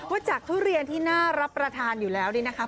ว่าจากทุเรียนที่น่ารับประทานอยู่แล้วนี่นะคะ